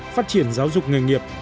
phát triển giáo dục nghề nghiệp